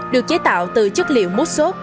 được chế tạo từ chất liệu mút sốt